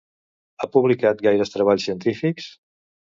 Ha publicat gaires treballs científics?